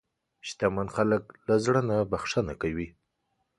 شتمن خلک له زړه نه بښنه کوي.